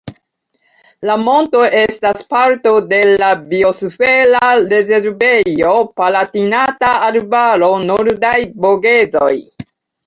La monto estas parto de la biosfera rezervejo Palatinata Arbaro-Nordaj Vogezoj.